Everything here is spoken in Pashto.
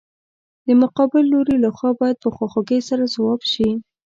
د مقابل لوري له خوا باید په خواخوږۍ سره ځواب شي.